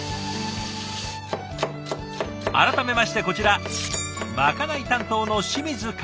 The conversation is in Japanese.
改めましてこちらまかない担当の清水かおりさん。